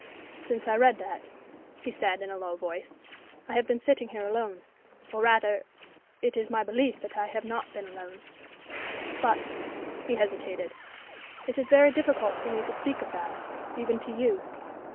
"Since I read that," he said, in a low voice, "I have been sitting here alone or, rather, it is my belief that I have not been alone. But" he hesitated "it is very difficult for me to speak of that even to you.